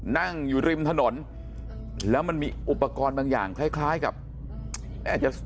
นั่งอยู่ริมถนนแล้วมันมีอุปกรณ์บางอย่างคล้ายด้วย